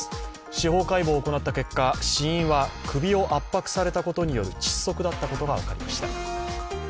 司法解剖を行った結果、死因は首を圧迫されたことによる窒息だったことが分かりました。